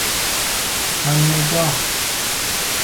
کم نگاه